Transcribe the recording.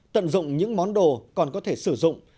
tận dụng những món đồ còn có thể sử dụng